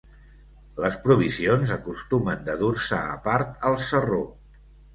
Les provisions acostumen de dur-se a part, al sarró.